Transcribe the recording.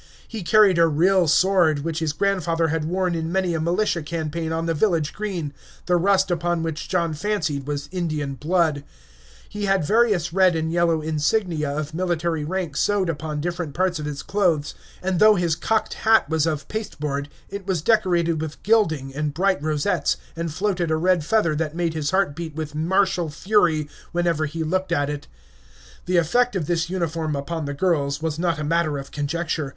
He carried a real sword, which his grandfather had worn in many a militia campaign on the village green, the rust upon which John fancied was Indian blood; he had various red and yellow insignia of military rank sewed upon different parts of his clothes, and though his cocked hat was of pasteboard, it was decorated with gilding and bright rosettes, and floated a red feather that made his heart beat with martial fury whenever he looked at it. The effect of this uniform upon the girls was not a matter of conjecture.